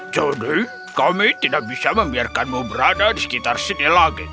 jadi kami tidak bisa membiarkanmu berada di sekitar sini lagi